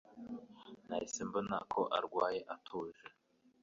Nahise mbona ko arwaye atuje.